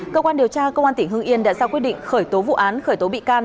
cơ quan điều tra cơ quan tỉnh hương yên đã ra quyết định khởi tố vụ án khởi tố bị can